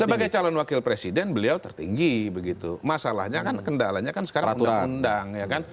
sebagai calon wakil presiden beliau tertinggi masalahnya kendalanya sekarang undang undang